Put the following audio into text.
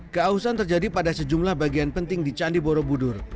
keausan terjadi pada sejumlah bagian penting di candi borobudur